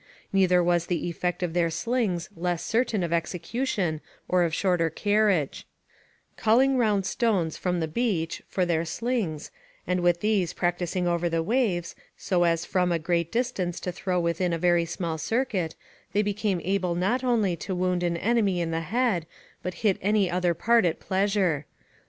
Neither was the effect of their slings less certain of execution or of shorter carriage: ["Culling round stones from the beach for their slings; and with these practising over the waves, so as from a great distance to throw within a very small circuit, they became able not only to wound an enemy in the head, but hit any other part at pleasure."